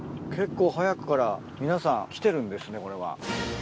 結構早くから皆さん来てるんですねこれは。